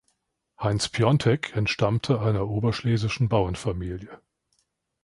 Heinz Piontek entstammte einer oberschlesischen Bauernfamilie.